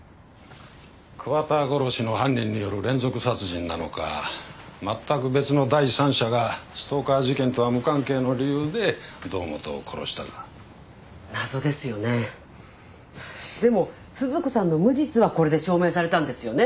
桑田殺しの犯人による連続殺人なのか全く別の第三者がストーカー事件とは無関係の理由で堂本を殺したか謎ですよねでも鈴子さんの無実はこれで証明されたんですよね